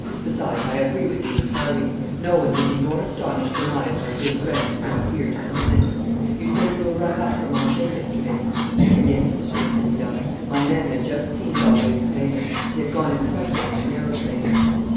Besides, I agree with you entirely. No one would be more astonished than I if our good friend was not here to the minute. You say you were rung up from Angers yesterday?" "Yes, Monsieur le Président. My men had just seen Don Luis Perenna. He had gone in front of them, in an aeroplane.